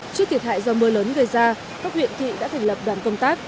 trước thiệt hại do mưa lớn gây ra các huyện thị đã thành lập đoàn công tác